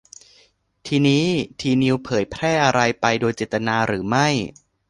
ทีนี้ ทีนิวส์เผยแพร่อะไรไปโดยเจตนาหรือไม่